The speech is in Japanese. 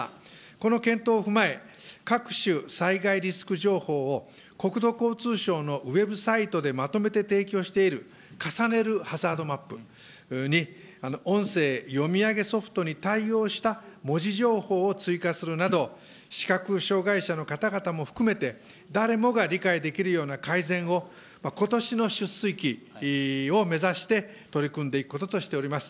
この検討を踏まえ、各種災害リスク情報を国土交通省のウェブサイトでまとめて提供している、かさねるハザードマップに音声読み上げソフトに対応した文字情報を追加するなど、視覚障害者の方々も含めて、誰もが理解できるような改善を、ことしのを目指して、取り組んでいくこととしております。